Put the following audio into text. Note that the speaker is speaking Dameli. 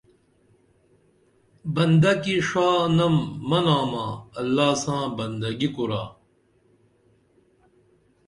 بندہ کی ݜانم مہ ناما اللہ ساں بندگی کُرا